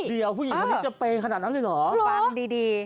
เดี๋ยวผู้หญิงคนนี้จะเปย์ขนาดนั้นเลยเหรอฟังดีดี